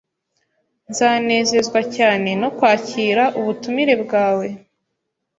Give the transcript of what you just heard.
Nzanezezwa cyane no kwakira ubutumire bwawe